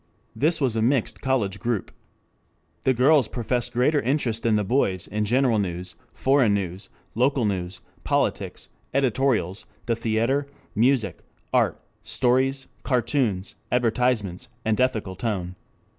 This was a mixed college group. The girls professed greater interest than the boys in general news, foreign news, local news, politics, editorials, the theatre, music, art, stories, cartoons, advertisements, and "ethical tone."